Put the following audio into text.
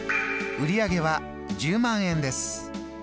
売り上げは１０００００円です。